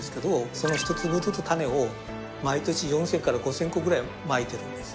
その１粒ずつ種を毎年４０００から５０００個ぐらいまいてるんです。